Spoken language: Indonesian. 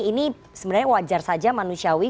ini sebenarnya wajar saja manusiawi